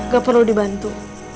gak perlu dibantu